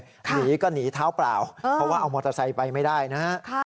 หนีก็หนีเท้าเปล่าเพราะว่าเอามอเตอร์ไซค์ไปไม่ได้นะฮะ